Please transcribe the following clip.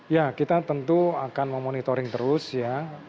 ya kita tentu akan memonitoring terus ya